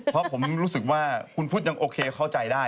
เพราะผมรู้สึกว่าคุณพุทธยังโอเคเข้าใจได้